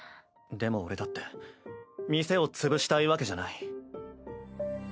でも俺だって店を潰したいわけじゃない。